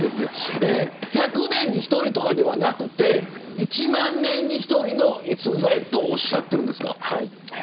１００年に１人とかではなくて１万年に１人の逸材とおっしゃっているんですか。